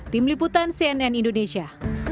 tim liputan cnn indonesia